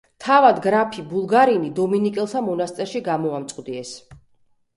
თავად გრაფი ბულგარინი დომინიკელთა მონასტერში გამოამწყვდიეს.